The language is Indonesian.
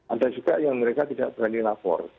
ada juga yang mereka tidak berani lapor